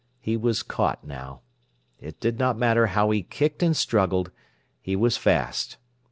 He was caught now. It did not matter how he kicked and struggled, he was fast.